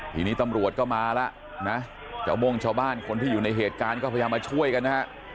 ทีนี้ตำรวจก็มาแล้วนะชาวโม่งชาวบ้านคนที่อยู่ในเหตุการณ์ก็พยายามมาช่วยกันนะฮะ